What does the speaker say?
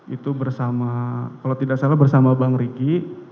itu bersama kalau tidak salah bersama bang riki